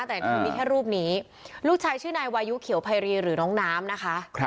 แต่นี่มันมีแค่รูปนี้ลูกชายชื่อนายวายุเขียวไพรีหรือน้องน้ำนะคะ